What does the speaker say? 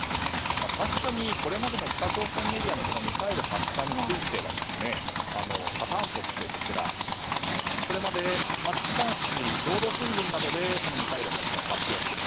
確かにこれまでの北朝鮮メディアのミサイル発射についてはパターンとして、これまで機関紙、労働新聞などでミサイル発射を発表する。